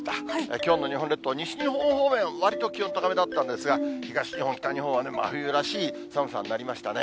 きょうの日本列島、西日本方面、わりと気温高めだったんですが、東日本、北日本は真冬らしい寒さになりましたね。